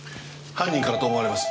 犯人からと思われます。